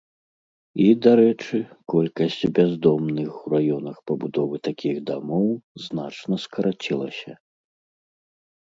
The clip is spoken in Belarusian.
І, дарэчы, колькасць бяздомных у раёнах пабудовы такіх дамоў значна скарацілася.